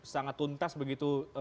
sangat tuntas begitu